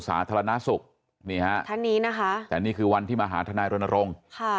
สาธารณสุขทันนี้นะคะแต่นี่คือวันที่มหาธนรณรงค์